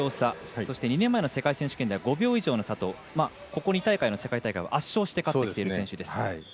そして２年前の世界選手権では５秒以上の差とここ２大会の世界大会は圧勝して勝ってきている選手です。